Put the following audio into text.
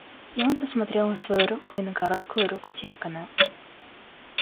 И он посмотрел на свою руку и на короткую руку дьякона.